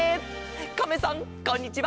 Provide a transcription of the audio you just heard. カメさんこんにちは。